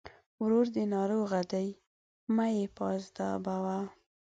ورور دې ناروغه دی! مه يې پاذابوه.